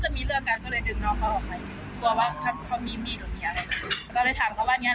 ก็เลยไปเรียกน้องเขามาช่วยว่าทำไมเขามากระชากหัวจ่ายไปตรงนั้น